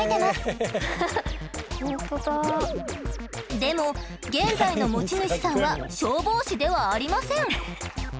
でも現在の持ち主さんは消防士ではありません。